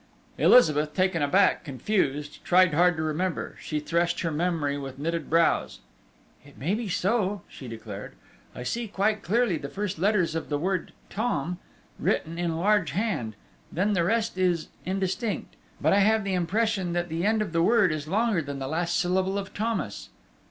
Elizabeth, taken aback, confused, tried hard to remember: she threshed her memory with knitted brows. "It may be so," she declared. "I see quite clearly the first letters of the word Thom ... written in a large hand,... then the rest is indistinct ... but I have the impression that the end of the word is longer than the last syllable of Thomas."